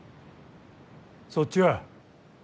そっちは。